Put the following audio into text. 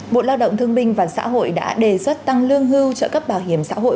bộ lao động thương binh và xã hội đã đề xuất tăng lương hưu trợ cấp bảo hiểm xã hội